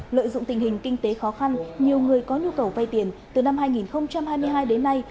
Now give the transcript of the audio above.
lợi dụng tình hình kinh tế khó khăn nhiều người có nhu cầu vay tiền từ năm hai nghìn hai mươi hai đến nay